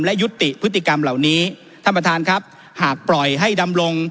และยุติพฤติกรรมเหล่านี้ท่านประธานครับหากปล่อยให้ดำรง